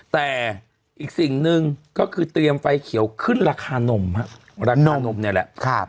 แต่อีกสิ่งหนึ่งก็คือเตรียมไฟเขียวขึ้นราคานมฮะราคานมนี่แหละ